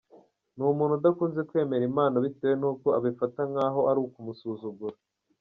Ni umuntu udakunze kwemera impano bitewe n’uko abifata nkaho ari ukumusuzugura.